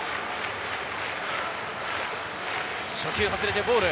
初球外れてボール。